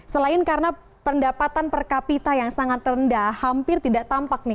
selain karena pendapatan per kapita yang sangat rendah hampir tidak tampak nih